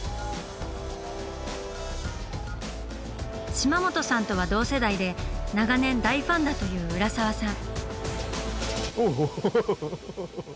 島本さんとは同世代で長年大ファンだという浦沢さん。